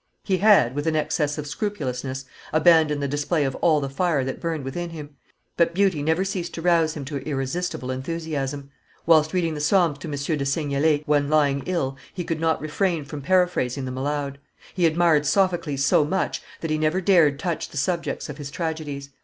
He had, with an excess of scrupulousness, abandoned the display of all the fire that burned within him; but beauty never ceased to rouse him to irresistible enthusiasm. Whilst reading the Psalms to M. de Seignelay, when lying ill, he could not refrain from paraphrasing them aloud. He admired Sophocles so much that he never dared touch the subjects of his tragedies.